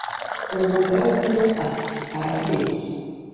umugaragu umwe ati"arabeshye